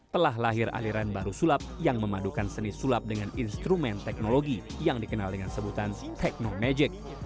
telah lahir aliran baru sulap yang memadukan seni sulap dengan instrumen teknologi yang dikenal dengan sebutan teknomagic